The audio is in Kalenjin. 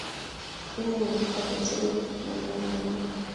Inemu kit age tugul ne manengung